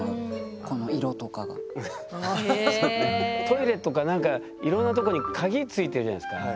トイレとかなんかいろんなとこに鍵付いてるじゃないですか。